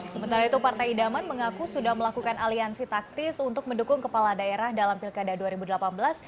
sementara itu partai idaman mengaku sudah melakukan aliansi taktis untuk mendukung kepala daerah dalam pilkada dua ribu delapan belas